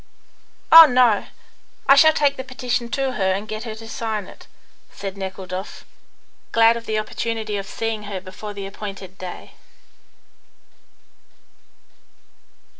"Oh, no. I shall take the petition to her and get her to sign it," said Nekhludoff, glad of the opportunity of seeing her before the appointed day.